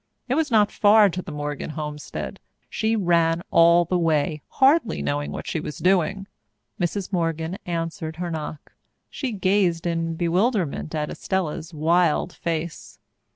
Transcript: It was not far to the Morgan homestead. She ran all the way, hardly knowing what she was doing. Mrs. Morgan answered her knock. She gazed in bewilderment at Estella's wild face.